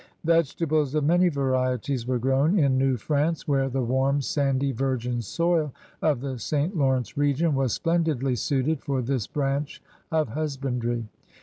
Vegetables of many varieties were grown in New France, where the warm, sandy, virgin soil of the St. Lawrence region was splendidly suited for this branch of husbandry.